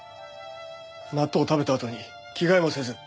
納豆食べたあとに着替えもせず。